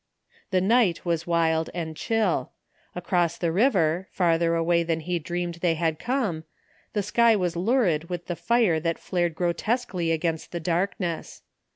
The night was wild and chill. Across the river, farther away than he dreamed they had come, the sky was lurid with the fire that flared grotesquely against the darkness.